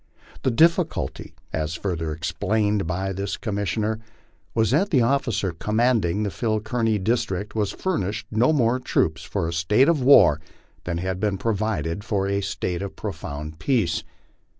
The difficulty, as further explained by this commissioner, was that the officer commanding the Phil Kearny district was furnished no more troops for a shite of war than had been provided for a state of profound peace.